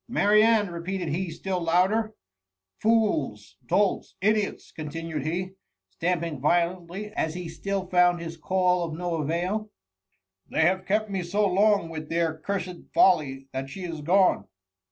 '^ Mari anne r repeated he still louder —" Fools ! dolts! idiots!" continued he» stamping vio lently, as he still found his call of no avail ; they have kept me so long with their cursed «( THE MtTMMY. 309 folly, that she is gone.